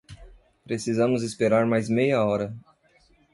Precisamos esperar mais meia hora.